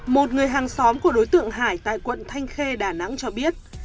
một người hàng xóm của đối tượng hải tại quận thanh khê đà nẵng cho biết